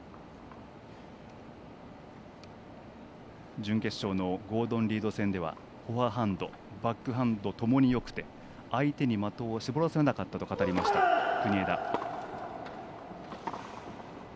準決勝のゴードン・リード戦ではフォアハンドバックハンドともによくて相手に的を絞らせなかったと語りました国枝。